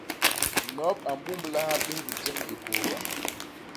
Nop a mbumblaha bés bijek ñgi kôôba.